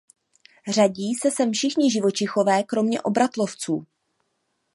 Řadí se sem všichni živočichové kromě obratlovců.